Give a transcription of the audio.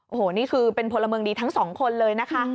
โอ้โหนี่คือเป็นพลเมืองดีทั้งสองคนเลยนะคะ